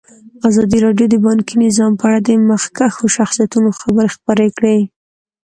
ازادي راډیو د بانکي نظام په اړه د مخکښو شخصیتونو خبرې خپرې کړي.